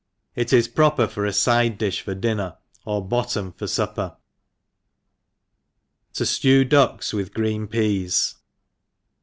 It is proper for afidd" difli for dinner, or bottom for fuppcr. T^o Jlew Ducks with Green Peas.